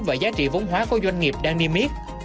và giá trị vốn hóa của doanh nghiệp đang niêm yết